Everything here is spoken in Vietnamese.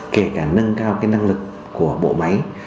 kể cả nâng cao năng lực của bộ máy